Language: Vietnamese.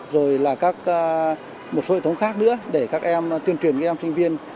rồi là một số hệ thống khác nữa để các em tuyên truyền các em sinh viên